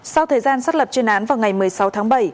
sau thời gian xác lập chuyên án vào ngày một mươi sáu tháng bảy